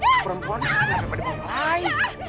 lu perempuan lebih dari perempuan lain